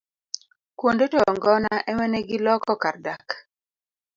Kuonde toyo ng'ona emane giloko kar dak.